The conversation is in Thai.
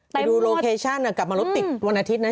ไปดูโลเคชั่นกลับมารถติดวันอาทิตย์นะ